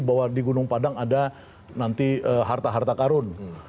bahwa di gunung padang ada nanti harta harta karun